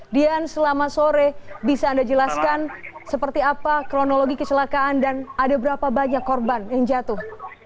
dian selama sore bisa anda jelaskan seperti apa kronologi kecelakaan dan ada berapa banyak korban yang jatuh